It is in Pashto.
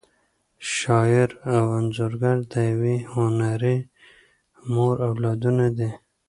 شاعر او انځورګر د یوې هنري مور اولادونه دي.